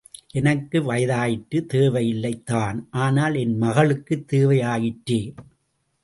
எனக்கு வயதாயிற்று, தேவையில்லை தான், ஆனால் என் மகளுக்குத் தேவையாயிற்றே.